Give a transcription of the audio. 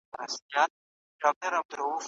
که ډیجیټل کتاب وي نو خلګ نه وروسته پاته کیږي.